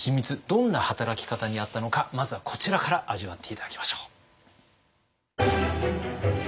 どんな働き方にあったのかまずはこちらから味わって頂きましょう。